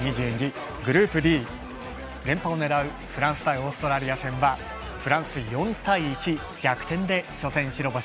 グループＤ連覇を狙うフランス対オーストラリア戦はフランス、４対１逆転で初戦白星。